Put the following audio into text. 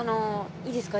いいですか？